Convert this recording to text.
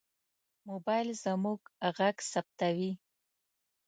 موبایل زموږ غږ ثبتوي.